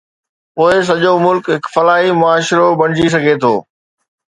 پوءِ سڄو ملڪ هڪ فلاحي معاشرو بڻجي سگهي ٿو.